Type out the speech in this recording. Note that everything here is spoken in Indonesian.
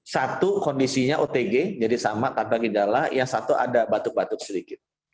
satu kondisinya otg jadi sama tanpa gejala yang satu ada batuk batuk sedikit